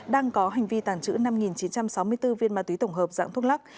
đang có hành vi tàng trữ năm chín trăm sáu mươi bốn viên ma túy tổng hợp dạng thuốc lắc